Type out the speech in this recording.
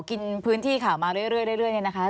กินพื้นที่ข่าวมาเรื่อยเนี่ยนะคะ